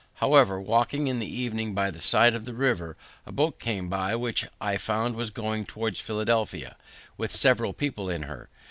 However, walking in the evening by the side of the river, a boat came by, which I found was going towards Philadelphia, with several people in her.